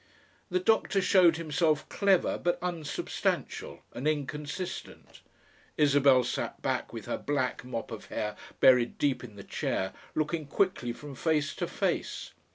The doctor showed himself clever but unsubstantial and inconsistent. Isabel sat back with her black mop of hair buried deep in the chair looking quickly from face to face.